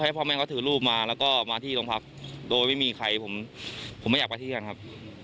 พ่อแม่เขาถือรูปมาแล้วก็มาที่โรงพักโดยไม่มีใครผมไม่อยากไปเที่ยวกันครับ